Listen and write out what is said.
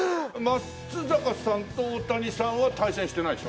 松坂さんと大谷さんは対戦してないでしょ？